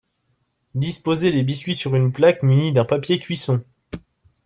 Disposez les biscuits sur une plaque munie d’un papier cuisson